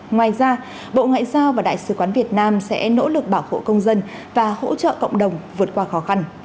ngoài ra bộ ngoại giao và đại sứ quán việt nam sẽ nỗ lực bảo hộ công dân và hỗ trợ cộng đồng vượt qua khó khăn